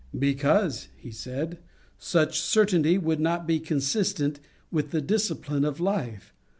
" Because," he said, " such certainty would not be consistent with the discipline of life.